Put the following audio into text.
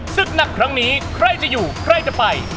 ศึกหนักครั้งนี้ใครจะอยู่ใครจะไป